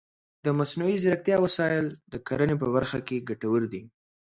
د مصنوعي ځیرکتیا وسایل د کرنې په برخه کې ګټور دي.